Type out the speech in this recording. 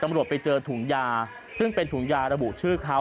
ไปเจอถุงยาซึ่งเป็นถุงยาระบุชื่อเขา